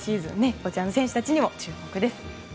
こちらの選手たちにも注目です。